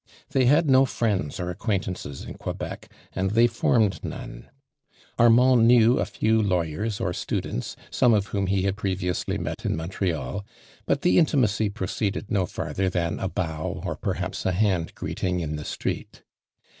They had no friends or acquaintances in Quebec, and they formed none. Armand knew a few lawyers or students, some of whom he had previously met in MontreiU, but the intimacy proceed ed no farther than a bow, or perhaps a hand greeting in the street.